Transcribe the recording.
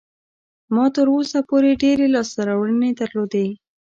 ما تر اوسه پورې ډېرې لاسته راوړنې درلودې.